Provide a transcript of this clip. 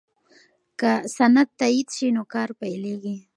که سند تایید شي نو کار پیلیږي.